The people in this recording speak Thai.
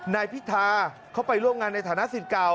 นายพิธาเข้าไปร่วมงานในฐานะสิทธิ์เก่า